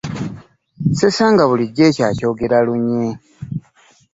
Ssessanga bulijjo ekyo akyogera lunye.